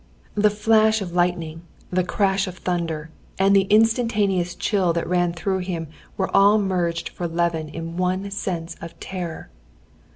The flash of lightning, the crash of thunder, and the instantaneous chill that ran through him were all merged for Levin in one sense of terror.